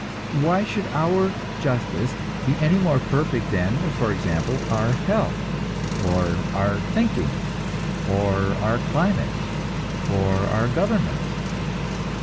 Why should our justice be any more perfect than, for example, our health or our thinking or our climate or our government?